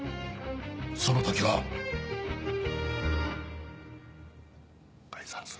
その時は。解散する。